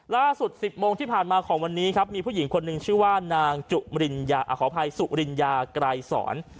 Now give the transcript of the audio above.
ล่าสุด๑๐โมงที่ผ่านมาของวันนี้ครับมีผู้หญิงคนนึงชื่อว่านางสุริญญากลายสอน